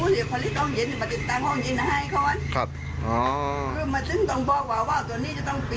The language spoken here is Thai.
นี่เป็นห้องจินเหมือนไง